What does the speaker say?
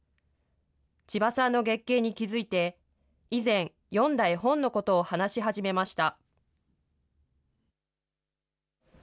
千葉さんの月経に気付いて、以前、読んだ絵本のことを話し始めました。